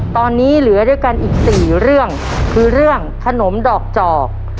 ตอนนี้เหลือด้วยกันอีกสี่เรื่องคือเรื่องขนมดอกจอก